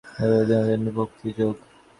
অতঃপর ভাবপ্রবণ বা প্রেমিক লোকদিগের জন্য ভক্তিযোগ।